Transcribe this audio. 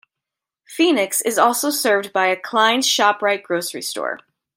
Phoenix is also served by a Kleins Shoprite grocery store.